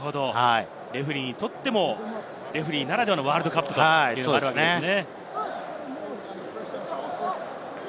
レフェリーにとっても、レフェリーならではのワールドカップがあるわけですね。